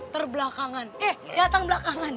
terbelakangan eh datang belakangan